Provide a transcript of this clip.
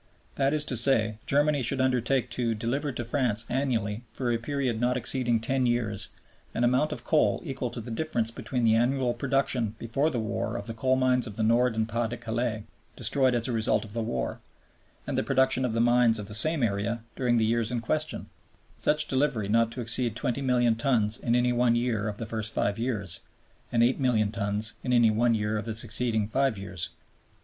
That is to say, Germany should undertake "to deliver to France annually for a period not exceeding ten years an amount of coal equal to the difference between the annual production before the war of the coal mines of the Nord and Pas de Calais, destroyed as a result of the war, and the production of the mines of the same area during the years in question; such delivery not to exceed twenty million tons in any one year of the first five years, and eight million tons in any one year of the succeeding five years."